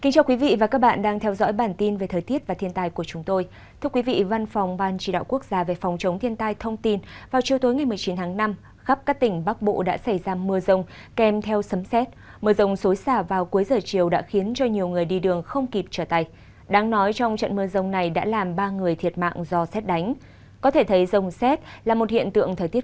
các bạn hãy đăng ký kênh để ủng hộ kênh của chúng tôi nhé